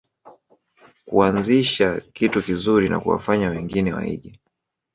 Kuanzisha kitu kizuri na kuwafanya wengine waige